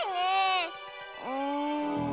うん。